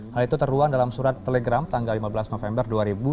hal itu terluang dalam surat telegram tanggal lima belas november dua ribu sembilan belas